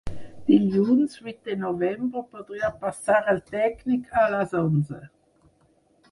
Dilluns vuit de novembre podria passar el tècnic a les onze.